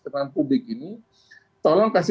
tentang publik ini tolong kasih